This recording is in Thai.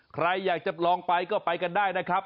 ใครอยากจะลองไปก็ไปกันได้นะครับ